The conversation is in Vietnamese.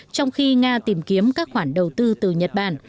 trong khi nga tìm kiếm các khoản đầu tư từ nhật bản